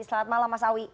selamat malam mas awi